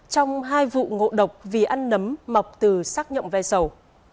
trong hai vụ ngộ độc vì ăn nấm mọc từ xác nhậm ve sầu